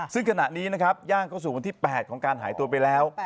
ซึ่งขณะนี้นะครับย่างเข้าสู่วันที่๘ของการหายตัวไปแล้ว